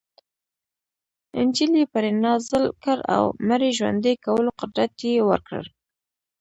انجیل یې پرې نازل کړ او مړي ژوندي کولو قدرت یې ورکړ.